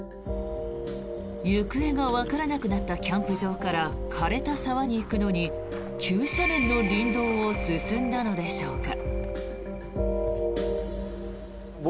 行方がわからなくなったキャンプ場から枯れた沢に行くのに急斜面の林道を進んだのでしょうか。